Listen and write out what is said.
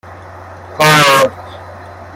تارت